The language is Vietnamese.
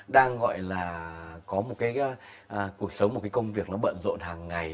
đang gọi là có một cái cuộc sống một cái công việc nó bận rộn hàng ngày